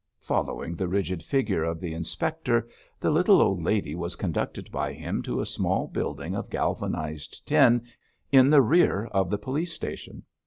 Following the rigid figure of the inspector, the little old lady was conducted by him to a small building of galvanised tin in the rear of the police station.